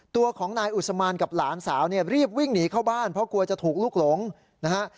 ตัวของนายอุศมานกับหลานสาวเนี่ยรีบวิ่งหนีเข้าบ้านเพราะกลัวจะถูกลุกหลงนะฮะ